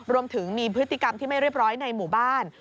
รวมถึงมีพฤติกรรมที่ไม่เรียบร้อยในหมู่บ้าน